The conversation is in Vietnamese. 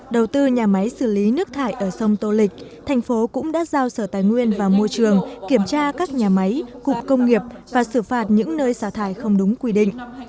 đầu tư nhà máy xử lý nước thải ở sông tô lịch thành phố cũng đã giao sở tài nguyên và môi trường kiểm tra các nhà máy cụp công nghiệp và xử phạt những nơi xả thải không đúng quy định